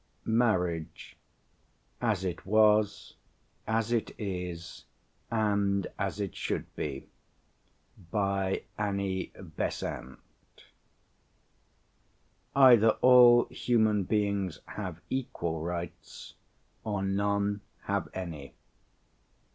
MARRIAGE: AS IT WAS, AS IT IS, AND AS IT SHOULD BE. "Either all human beings have equal rights, or none have any."